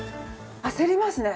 焦りますね。